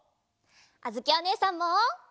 あづきおねえさんも！